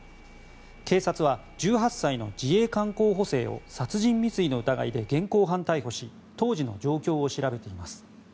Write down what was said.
警察は１８歳の自衛官候補生を殺人未遂の疑いで現行犯逮捕し当時の状況を調べています。